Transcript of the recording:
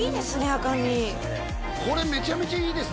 赤身これめちゃめちゃいいですね